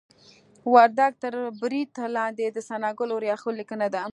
وردګ تر برید لاندې د ثناګل اوریاخیل لیکنه ده